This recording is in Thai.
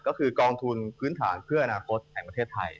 ก็คือกองทุนพื้นฐานเพื่ออนาคตแห่งประเทศไทย